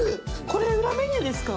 これ裏メニューですか？